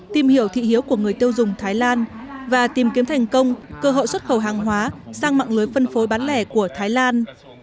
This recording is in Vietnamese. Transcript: tìm hiểu thị hiếu của người tiêu dùng thái lan và tìm kiếm thành công cơ hội xuất khẩu hàng hóa sang mạng lưới phân phối bán lẻ của thái lan